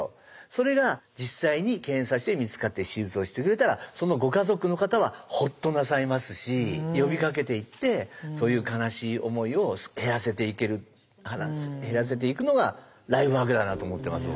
それが実際に検査して見つかって手術をしてくれたらそのご家族の方はほっとなさいますし呼びかけていってそういう悲しい思いを減らせていける減らせていくのがライフワークだなと思ってます